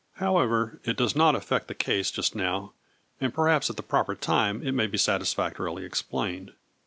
However it does not effect the case just now, and perhaps at the proper time it may be satisfactorily explained.